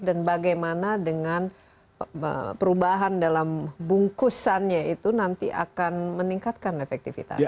dan bagaimana dengan perubahan dalam bungkusannya itu nanti akan meningkatkan efektivitas